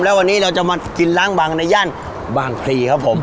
แล้ววันนี้เราจะมากินล้างบางในย่านบางพลีครับผม